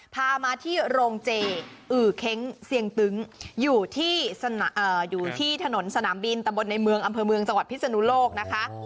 พามาที่โรงเจอือเค้งเสียงตึ้งอยู่ที่ถนนสนามบินตะบนในเมืองอำเภอเมืองจังหวัดพิศนุโลกนะคะ